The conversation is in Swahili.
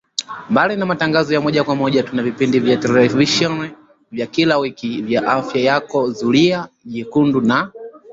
Mbali na matangazo ya moja kwa moja tuna vipindi vya televisheni vya kila wiki vya Afya Yako Zulia Jekundu na